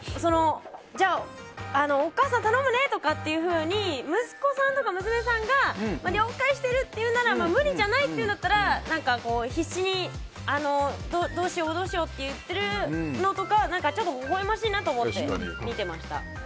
お母さん頼むねとかっていうふうに息子さんとか娘さんが了解してるっていうなら無理じゃないっていうんだったら必死にどうしようって言ってるのとかは微笑ましいなと思って見てました。